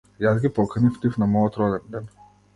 Јас ги поканив нив на мојот роденден.